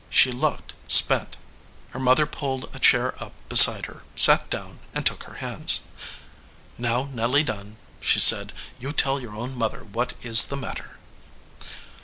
She looked spent. Her mother pulled a chair up beside her, sat down, and took her hands. "Now, Nelly Dunn," she said, "you tell your own mother what is the matter."